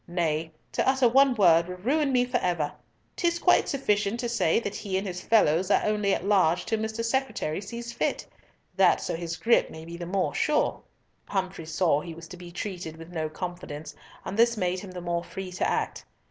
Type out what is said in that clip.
Nay, to utter one word would ruin me for ever. 'Tis quite sufficient to say that he and his fellows are only at large till Mr. Secretary sees fit, that so his grip may be the more sure." Humfrey saw he was to be treated with no confidence, and this made him the more free to act.